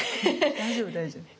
大丈夫大丈夫。